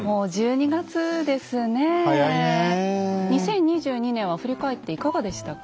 ２０２２年は振り返っていかがでしたか？